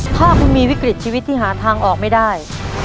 ถ้าคุณมีวิกฤตชีวิตที่หาทางออกไม่ได้